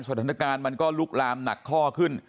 สถานการณ์มันก็ลุกลามหนักข้อขึ้น